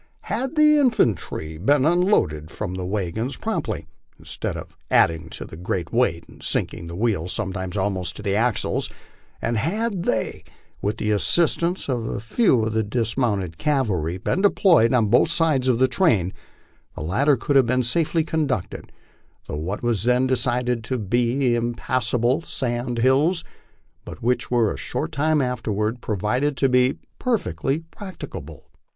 Had the infantry been unloaded from the wagona promptly, instead of adding to the great weight, sinking the wheels sometimes almost in to the axles, and had they, with the assistance of a few of the dis mounted cavalry, been deployed on both sides of the train, the latter could have been safely conducted through what was then decided to be impassable sand hills, but which were a short time afterward proved to be perfectly prac ticable.